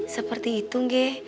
seperti itu nge